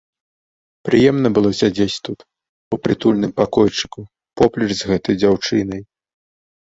Прыемна было сядзець тут, у прытульным пакойчыку, поплеч з гэтай дзяўчынай.